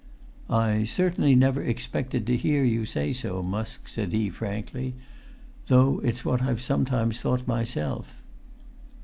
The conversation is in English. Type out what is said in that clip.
"I certainly never expected to hear you say so, Musk," said he frankly; "though it's what I've sometimes thought myself."